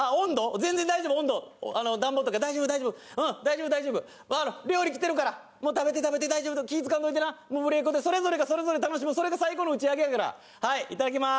全然大丈夫温度あの暖房とか大丈夫大丈夫うん大丈夫大丈夫料理きてるからもう食べて食べて気使わんといてな無礼講でそれぞれがそれぞれで楽しもうそれが最高の打ち上げやからはいいただきます